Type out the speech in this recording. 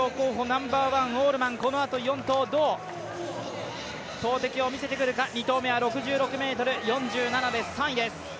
ナンバーワンこのあと４投、どう投てきを見せてくるか、２投目は６０ｍ４７で３位です。